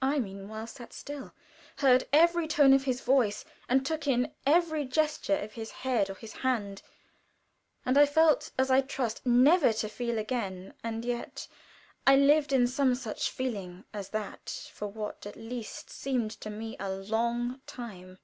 I, meanwhile, sat still heard every tone of his voice, and took in every gesture of his head or his hand, and I felt as I trust never to feel again and yet I lived in some such feeling as that for what at least seemed to me a long time.